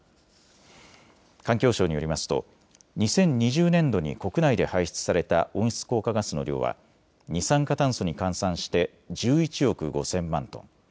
環境省によりますと２０２０年度に国内で排出された温室効果ガスの量は二酸化炭素に換算して１１億５０００万トン。